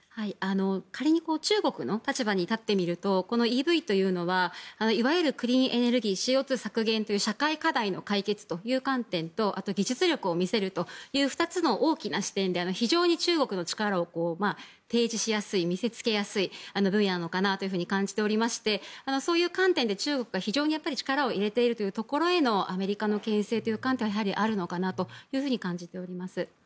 仮に中国の立場に立ってみるとＥＶというのはいわゆるクリーンエネルギーＣＯ２削減という社会課題の解決という観点とあと技術力を見せるという２つの大きな視点で非常に中国の力を提示しやすい見せつけやすい分野なのかなと感じておりましてそういう観点で中国が非常に力を入れているというところへのアメリカのけん制という観点はやはりあるのかなと感じております。